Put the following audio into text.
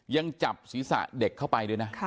ยังจับศีรษะเด็กเข้าไปด้วยนะ